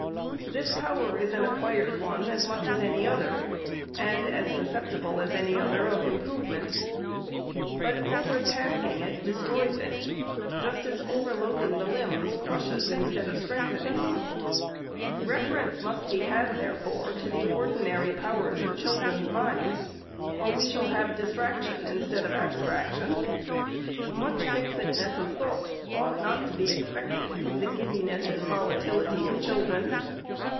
This power is an acquired one as much as any other, and as suscep tible as any other of improvement. But overtasking de stroys it, just as overloading the limbs crushes, instead of 464 REPORT OF THE SECRETARY strengthening them. Reference must be had, therefore, to the ordinary powers of children's minds, or we shall have distraction instead of abstraction. Much fixedness of thought ought not to be expected from the giddiness and volatility of children.